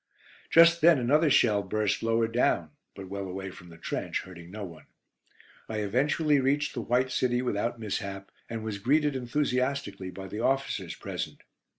Just then another shell burst lower down, but well away from the trench, hurting no one. I eventually reached the "White City" without mishap, and was greeted enthusiastically by the officers present.